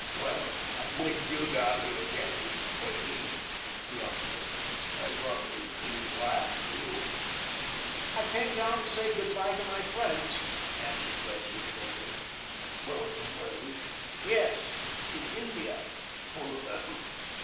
"Well, what brings you down here again, Mr. Presley?" he observed. "I thought we had seen the last of you." "I came down to say good bye to my friends," answered Presley shortly. "Going away?" "Yes to India."